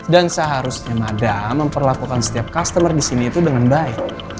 dan saya harusnya mada memperlakukan setiap customer di sini itu dengan baik